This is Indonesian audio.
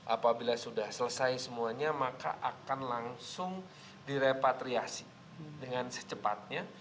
apabila sudah selesai semuanya maka akan langsung direpatriasi dengan secepatnya